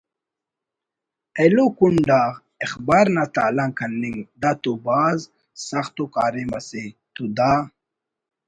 ایلو کنڈآ اخبار نا تالان کننگ دا تو بھاز سخت ءُ کاریم اسے تو دا